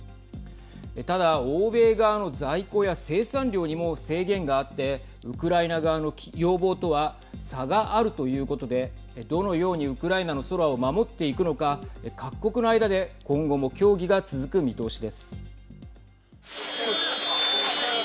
ただ、欧米側の在庫や生産量にも制限があってウクライナ側の要望とは差があるということでどのようにウクライナの空を守っていくのか各国の間で今後も協議が続く見通しです。